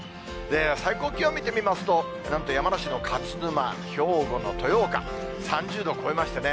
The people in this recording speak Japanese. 最高気温見てみますと、なんと山梨の勝沼、兵庫の豊岡、３０度超えましたね。